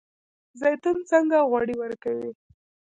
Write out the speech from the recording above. زیتون څنګه غوړي ورکوي؟